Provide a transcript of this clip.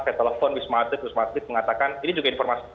saya telepon wisma adit mengatakan ini juga informasi